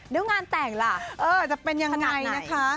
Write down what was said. แล้วก็งานแต่งล่ะขนาดไหนจะเป็นอย่างไรนะคะ